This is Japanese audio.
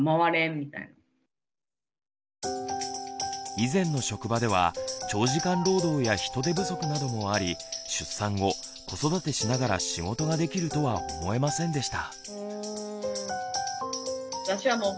以前の職場では長時間労働や人手不足などもあり出産後子育てしながら仕事ができるとは思えませんでした。